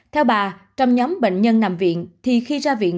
theo bà trong nhóm bệnh nhân nằm viện thì khi ra viện